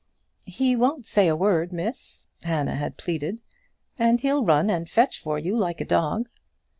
"He won't say a word, Miss," Hannah had pleaded, "and he'll run and fetch for you like a dog."